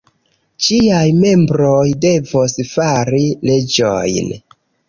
Ĝiaj membroj devos fari leĝojn.